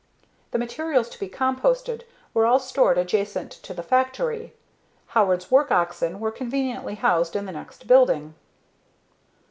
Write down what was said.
The materials to be composted were all stored adjacent to the factory. Howard's work oxen were conveniently housed in the next building.